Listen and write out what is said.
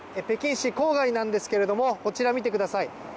北京市郊外なんですけれどもこちら見てください。